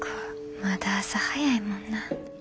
まだ朝早いもんな。